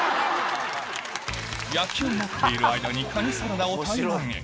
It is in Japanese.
焼きを待っている間にカニサラダを平らげ